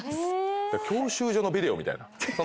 教習所のビデオみたいな。